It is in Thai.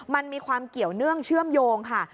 มันมีความเกี่ยวเนื่องเชื่อมโยงค่ะ